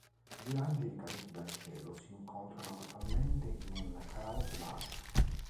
Due angeli caduti dal cielo si incontrano casualmente in un karaoke bar.